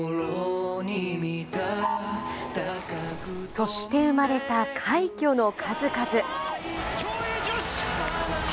そして生まれた、快挙の数々。